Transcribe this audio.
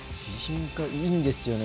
いいんですよね